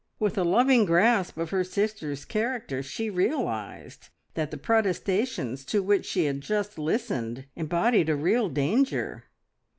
With a loving grasp of her sister's character, she realised that the protestations to which she had just listened embodied a real danger.